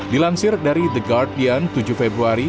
dilansir dari the guardian tujuh februari